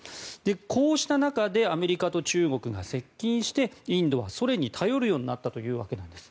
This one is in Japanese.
こうした中でアメリカと中国が接近してインドはソ連に頼るようになったというわけなんです。